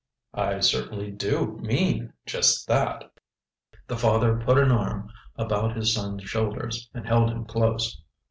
"I certainly do mean just that." The father put an arm about his son's shoulders and held him close.